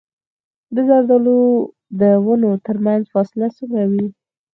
د زردالو د ونو ترمنځ فاصله څومره وي؟